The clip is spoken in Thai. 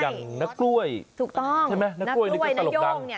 อย่างนักกล้วยถูกต้องใช่ไหมนักกล้วยนี่ก็ตลกดังนักกล้วยนายกเนี่ย